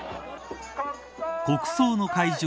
国葬の会場